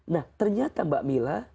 nah ternyata mbak mila